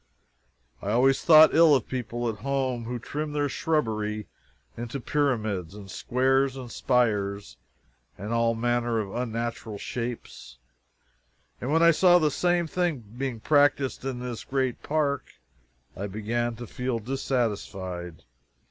I always thought ill of people at home who trimmed their shrubbery into pyramids and squares and spires and all manner of unnatural shapes, and when I saw the same thing being practiced in this great park I began to feel dissatisfied.